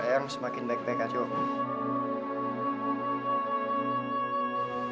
em semakin baik baik aja om